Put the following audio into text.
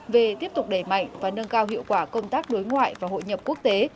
về tiếp tục đẩy mạnh và nâng cao hiệu quả công tác đối ngoại và hội nhập quốc tế